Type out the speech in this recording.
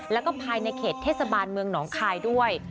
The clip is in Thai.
แล้วก็ภายในเขตเทศบาลเมืองหนองคายด้วย